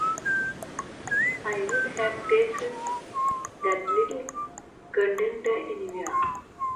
I would have taken that little Contender anywhere.